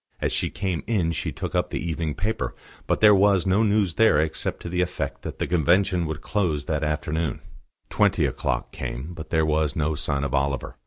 As she came in she took up the evening paper, but there was no news there except to the effect that the Convention would close that afternoon. Twenty o'clock came, but there was no sign of Oliver.